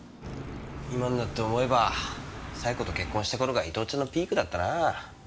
今になって思えば冴子と結婚した頃が伊東ちゃんのピークだったなあ。